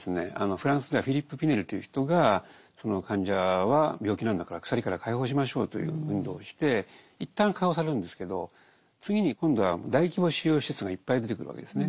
フランスではフィリップ・ピネルという人が患者は病気なんだから鎖から解放しましょうという運動をして一旦解放されるんですけど次に今度は大規模収容施設がいっぱい出てくるわけですね。